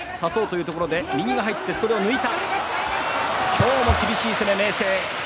今日も厳しい攻め、明生。